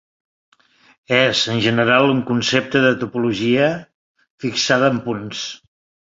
És, en general, un concepte de topologia fixada en punts.